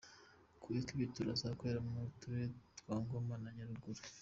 Ku ikubitiro ukazakorera mu turere twa Ngoma na Nyaruguru.